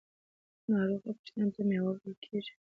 ناروغه پوښتنې ته میوه وړل کیږي.